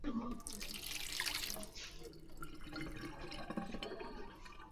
Awali waziri wa mambo ya nje alisema kuwa duru ya tano ya mazungumzo kati yao ingetarajiwa kuanza tena Jumatano.